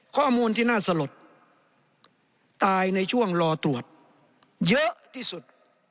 ข้อมูลที่น่าสลดตายในช่วงรอตรวจเยอะที่สุด